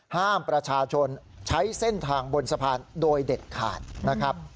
ห้ามประชาชนใช้เส้นทางบนสะพานโดยเด็ดขาดนะครับ